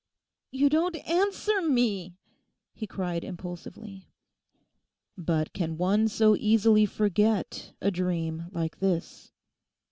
You don't answer me!' he cried impulsively. 'But can one so easily forget a dream like this?